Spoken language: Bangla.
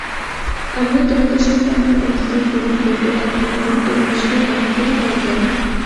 আমিও তোমাদের সঙ্গে আমার অঙ্গীকার পূর্ণ করব এবং তোমরা শুধু আমাকেই ভয় কর।